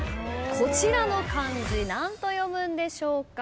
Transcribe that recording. こちらの漢字何と読むんでしょうか？